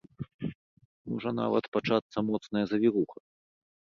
Можа нават пачацца моцная завіруха.